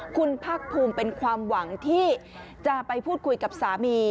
คุณภาคภูมิเป็นความหวังที่จะไปพูดคุยกับสามี